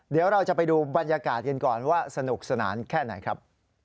เดี๋ยวเราจะไปดูบรรยากาศกันก่อนว่าสนุกสนานแค่ไหนครับ